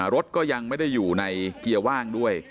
รถก็ยังไม่ได้อยู่ในเกียร์ว่างด้วย